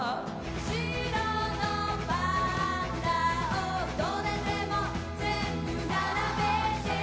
「白のパンダをどれでも全部並べて」